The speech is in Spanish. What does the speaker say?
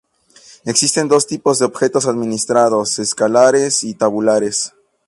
Existen dos tipos de objetos administrados: Escalares y tabulares.